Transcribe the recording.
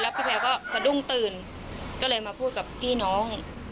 พี่แพลวก็สะดุ้งตื่นก็เลยมาพูดกับพี่น้อง